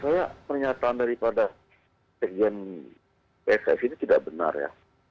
ya menurut saya pernyataan daripada sejen pssi ini tidak benar ya